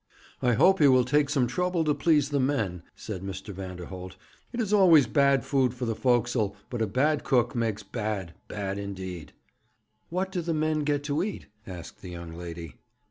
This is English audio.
'I hope he will take some trouble to please the men,' said Mr. Vanderholt. 'It is always bad food for the forecastle, but a bad cook makes bad bad indeed.' 'What do the men get to eat?' asked the young lady.